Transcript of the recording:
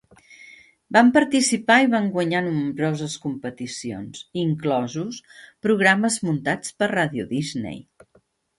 Van participar i van guanyar nombroses competicions, inclosos programes muntats per Radio Disney.